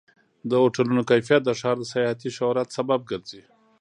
د هوټلونو کیفیت د ښار د سیاحتي شهرت سبب ګرځي.